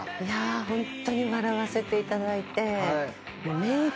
ホントに笑わせていただいて。